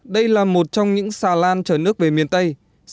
đây là một trong những xà lan chở nước về miền tây